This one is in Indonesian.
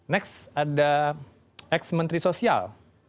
next ada ex menteri sosial